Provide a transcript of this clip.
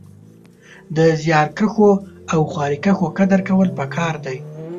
د زيارکښو او خواريکښو قدر کول پکار دی